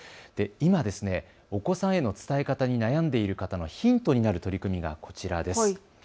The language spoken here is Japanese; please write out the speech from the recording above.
今お子さんへの伝え方に悩んでいる方へのヒントになる取り組みがこちらです。